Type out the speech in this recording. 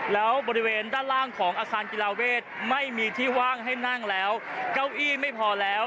แล้วบริเวณด้านล่างของอาคารกีฬาเวทไม่มีที่ว่างให้นั่งแล้วเก้าอี้ไม่พอแล้ว